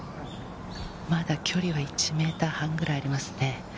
まだ距離は１メーター半ぐらいありますね。